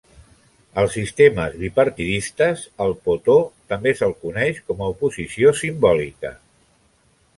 Als sistemes bipartidistes, al "poteau" també se'l coneix com a oposició simbòlica.